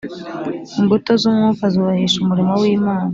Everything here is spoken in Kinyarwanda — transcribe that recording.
Imbuto z’ umwuka zubahisha umurimo w’Imana